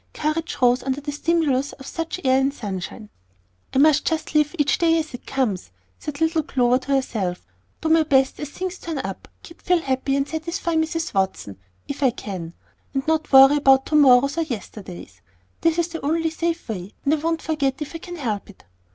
Courage rose under the stimulus of such air and sunshine. "I must just live for each day as it comes," said little Clover to herself, "do my best as things turn up, keep Phil happy, and satisfy Mrs. Watson, if I can, and not worry about to morrows or yesterdays. That is the only safe way, and I won't forget if I can help it."